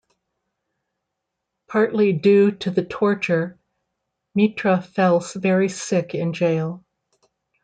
Partly due to the torture, Mitra fell very sick in jail.